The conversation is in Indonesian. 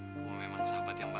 aku memang sahabat yang baik